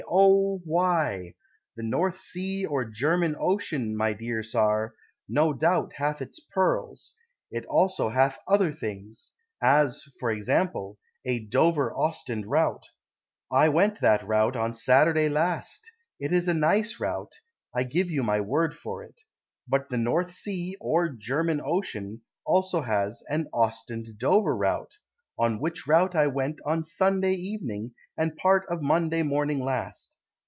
O why? The North Sea or German Ocean, my dear Tsar, No doubt hath its pearls, It also hath other things, As, for example, a Dover Ostend route. I went on that route On Saturday last; It is a nice route, I give you my word for it; But the North Sea or German Ocean Also has An Ostend Dover route, On which route I went On Sunday evening And part of Monday morning last.